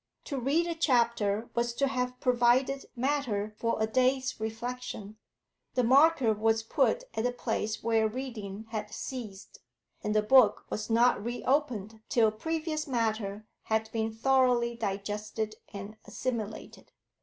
To read a chapter was to have provided matter for a day's reflection; the marker was put at the place where reading had ceased, and the book was not re opened till previous matter had been thoroughly digested and assimilated.